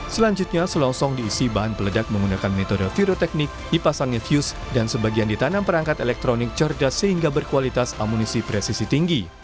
selanjutnya selongsong diisi bahan peledak menggunakan metode viroteknik dipasangnya views dan sebagian ditanam perangkat elektronik cerdas sehingga berkualitas amunisi presisi tinggi